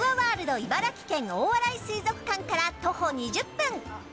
茨城県大洗水族館から徒歩２０分。